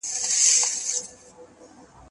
ملي شورا بهرنۍ پانګونه نه ردوي.